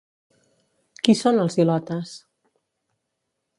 Qui són els ilotes?